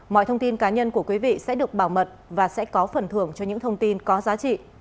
mọi thông tin cá nhân của quý vị sẽ được bảo mật và sẽ có phần thưởng cho những thông tin có giá trị